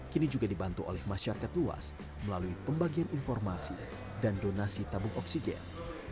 kini juga dibantu oleh masyarakat luas melalui pembagian informasi dan donasi tabung oksigen